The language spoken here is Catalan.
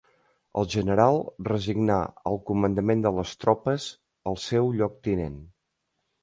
El general resignà el comandament de les tropes al seu lloctinent.